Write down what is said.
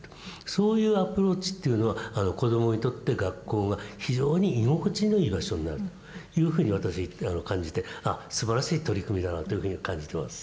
そういうアプローチっていうのは子どもにとって学校が非常に居心地のいい場所になるというふうに私感じてあっすばらしい取り組みだなというふうに感じてます。